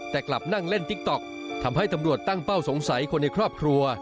แต่กลับนั่งเล่นติ๊กต๊อกทำให้ตำรวจตั้งเป้าสงสัยคนในครอบครัว